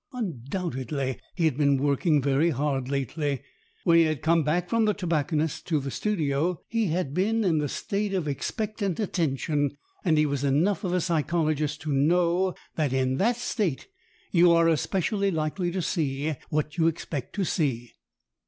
Undoubtedly he had been working very hard lately. When he had come back from the tobacconist's to the studio he had been in the state of expectant attention, and he was enough of a psychologist to know that in that state you are especially likely to see what you expect to see.